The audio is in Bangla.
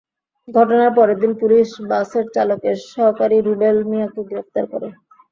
ঘটনার পরের দিন পুলিশ বাসের চালকের সহকারী রুবেল মিয়াকে গ্রেপ্তার করে।